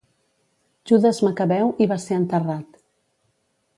Judes Macabeu hi va ser enterrat.